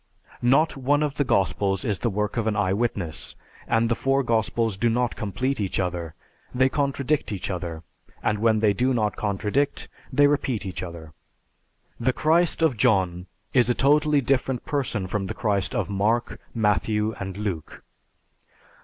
Not one of the Gospels is the work of an eyewitness, and the four Gospels do not complete each other; they contradict each other; and when they do not contradict, they repeat each other. The Christ of John is a totally different person from the Christ of Mark, Matthew, and Luke.